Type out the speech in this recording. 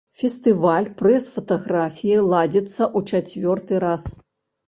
Фестываль прэс-фатаграфіі ладзіцца ў чацвёрты раз.